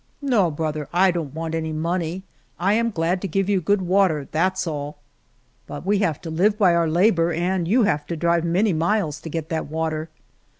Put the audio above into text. No, brother, I don't want any money, I am glad to give you good water, that's all." But we all have to live by our labor, and 147 El Toboso you have to drive many miles to get that water."